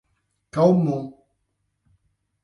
Calmon